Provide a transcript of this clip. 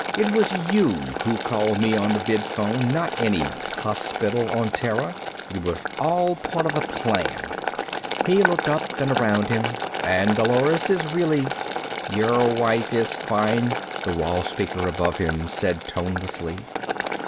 "It was you who called me on the vidphone, not any hospital on Terra. It was all part of the plan." He looked up and around him. "And Dolores is really " "Your wife is fine," the wall speaker above him said tonelessly.